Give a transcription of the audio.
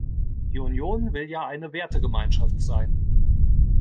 Die Union will ja eine Wertegemeinschaft sein.